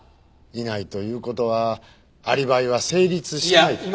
いないという事はアリバイは成立しない。